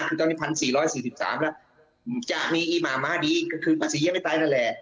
คือต้องมี๑๔๔๓แล้วจะมีอิมามมหาดีก็คือภาษีเยี่ยมไม่ตายนั่นแหละ